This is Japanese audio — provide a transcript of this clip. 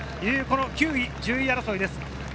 ９位、１０位争いです。